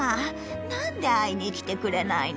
なんで会いに来てくれないの？